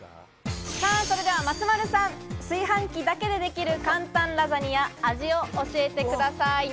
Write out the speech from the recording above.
それでは松丸さん、炊飯器だけでできる簡単ラザニア、味を教えてください。